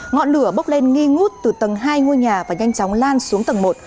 ngọn lửa bốc lên nghi ngút từ tầng hai ngôi nhà và nhanh chóng lan xuống tầng một